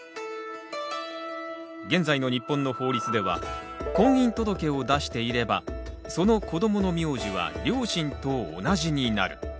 現在の日本の法律では婚姻届を出していればその子どもの名字は両親と同じになる。